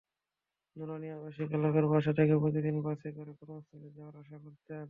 নূরানী আবাসিক এলাকার বাসা থেকে প্রতিদিন বাসে করে কর্মস্থলে যাওয়া-আসা করতেন।